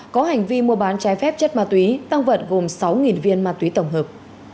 có hành vi mua bán trái phép chất ma túy tăng vật gồm sáu viên ma túy tổng hợp